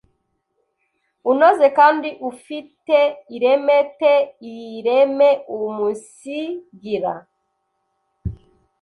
unoze kandi ufi te ireme te ireme Umunsigira